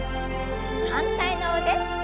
反対の腕。